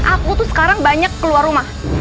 aku tuh sekarang banyak keluar rumah